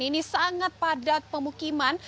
ini sangat padat pemukiman